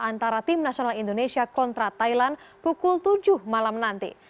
antara tim nasional indonesia kontra thailand pukul tujuh malam nanti